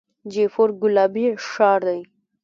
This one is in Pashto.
جیپور ګلابي ښار دی.